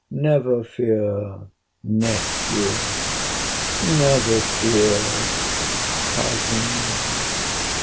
Never fear, Nephew!— Never fear, Cousin.